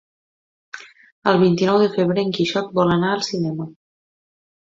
El vint-i-nou de febrer en Quixot vol anar al cinema.